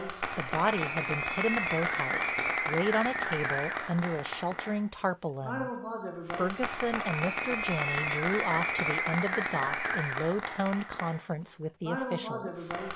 The body had been put in the boathouse, laid on a table under a sheltering tarpaulin. Ferguson and Mr. Janney drew off to the end of the dock in low toned conference with the officials.